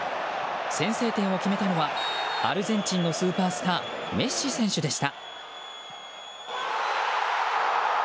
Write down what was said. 先制点を決めたのはアルゼンチンのスーパースターメッシ選手でした。